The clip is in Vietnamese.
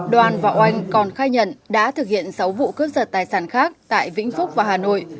đoàn và oanh còn khai nhận đã thực hiện sáu vụ cướp giật tài sản khác tại vĩnh phúc và hà nội